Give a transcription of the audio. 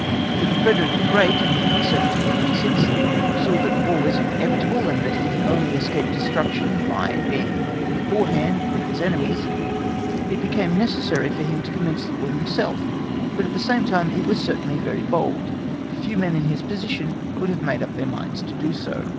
If Frederick the Great, in the year 1756, saw that War was inevitable, and that he could only escape destruction by being beforehand with his enemies, it became necessary for him to commence the War himself, but at the same time it was certainly very bold: for few men in his position would have made up their minds to do so.